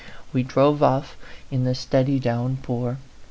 We drove off in the steady downpour.